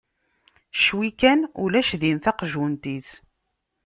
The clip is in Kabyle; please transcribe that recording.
Cwi kan ulac din taqjunt-is.